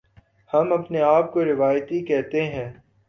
ہم اپنے آپ کو روایتی کہتے ہیں۔